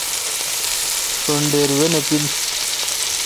ݭن ڈیر وائ نہ پیل۔